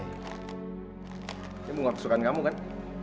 ini bukan kesukaan kamu kan